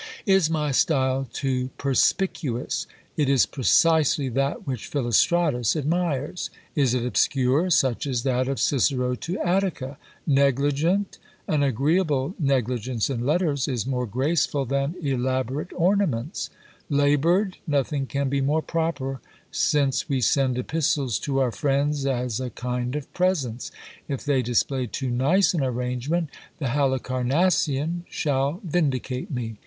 Is my style too perspicuous? It is precisely that which Philostratus admires. Is it obscure? Such is that of Cicero to Attica. Negligent? An agreeable negligence in letters is more graceful than elaborate ornaments. Laboured? Nothing can be more proper, since we send epistles to our friends as a kind of presents. If they display too nice an arrangement, the Halicarnassian shall vindicate me.